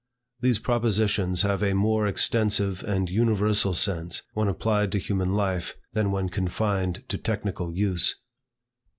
These propositions have a much more extensive and universal sense when applied to human life, than when confined to technical use.